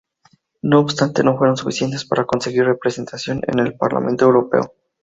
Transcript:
No obstante, no fueron suficientes para conseguir representación en el Parlamento Europeo.